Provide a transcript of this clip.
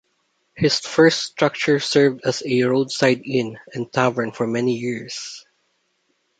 His first structure served as a roadside inn and tavern for many years.